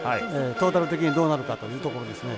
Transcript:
トータル的にどうなるかというところですね。